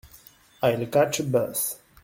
I'll catch a bus.